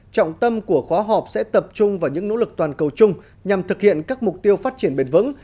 trọng tâm của khóa họp sẽ tập trung vào những nỗ lực toàn cầu chung nhằm thực hiện các mục tiêu phát triển bền vững